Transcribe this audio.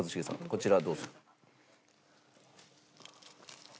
こちらどうぞ。